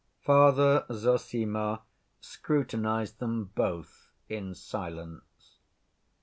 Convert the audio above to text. Father Zossima scrutinized them both in silence.